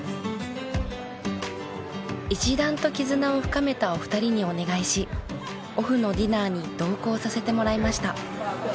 一段と絆を深めたお二人にお願いしオフのディナーに同行させてもらいました。